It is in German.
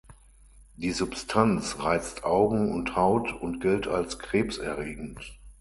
Die Substanz reizt Augen und Haut und gilt als krebserregend.